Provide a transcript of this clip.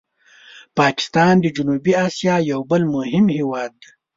پاکستان د جنوبي آسیا یو بل مهم هېواد دی.